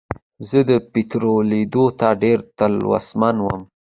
زه د پیترا لیدلو ته ډېر تلوسمن وم.